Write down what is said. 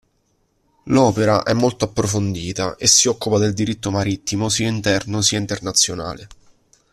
L'opera è molto approfondita e si occupa del diritto marittimo sia interno sia internazionale.